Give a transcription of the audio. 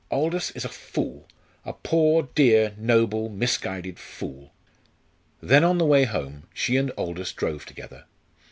"Aldous is a fool! a poor dear noble misguided fool!" Then on the way home, she and Aldous drove together.